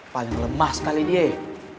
paling lemah sekali dia eh